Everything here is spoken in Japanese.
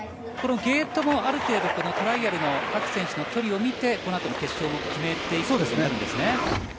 ゲートもある程度、トライアルの各選手の距離を見てこの後の決勝も決めていくんですね。